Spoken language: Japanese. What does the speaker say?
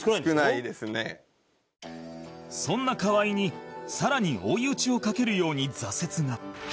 そんな河合にさらに追い打ちをかけるように挫折が